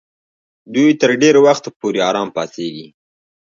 دوی تر ډېر وخت پورې آرام پاتېږي.